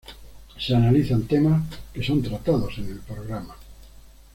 Se analizan temas que son tratados en el programa.